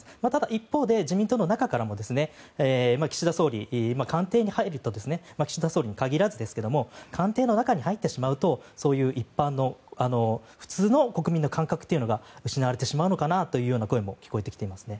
一方で自民党の中からも岸田総理岸田総理に限らず官邸の中に入ってしまうとそういう一般の普通の国民の感覚が失われてしまうのかなという声も聞こえてきていますね。